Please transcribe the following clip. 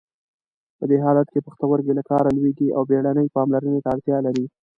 په دې حالت کې پښتورګي له کاره لویږي او بیړنۍ پاملرنې ته اړتیا لري.